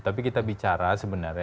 tapi kita bicara sebenarnya